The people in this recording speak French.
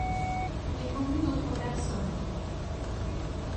Il est connu d’autres personnes.